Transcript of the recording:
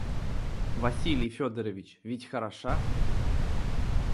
Василий Федорович, ведь хороша?